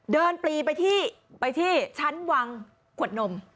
เดินปลีไปที่ชั้นวังขวดนม